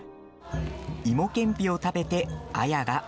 芋けんぴを食べて、綾が。